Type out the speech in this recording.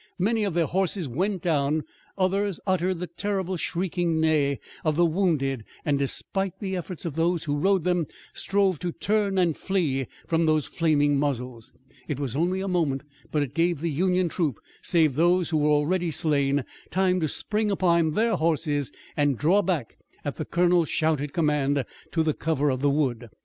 Many of their horses went down, others uttered the terrible shrieking neigh of the wounded, and, despite the efforts of those who rode them, strove to turn and flee from those flaming muzzles. It was only a moment, but it gave the Union troop, save those who were already slain, time to spring upon their horses and draw back, at the colonel's shouted command, to the cover of the wood.